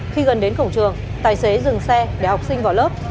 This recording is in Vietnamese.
khi gần đến cổng trường tài xế dừng xe để học sinh vào lớp